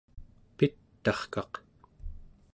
pit'arkaq